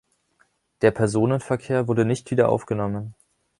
Der Personenverkehr wurde nicht wieder aufgenommen.